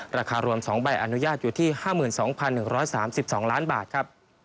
ราคารวม๒ใบอนุญาตอยู่ที่๕๒๑๓๒ล้านบาทครับ